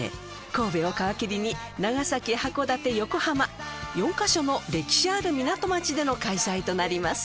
神戸を皮切りに長崎函館横浜４か所の歴史ある港町での開催となります